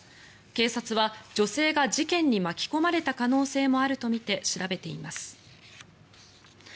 警察は女性が事件に巻き込まれた可能性もあるとみて調べています。